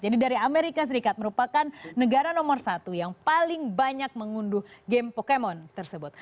jadi dari amerika serikat merupakan negara nomor satu yang paling banyak mengunduh game pokemon tersebut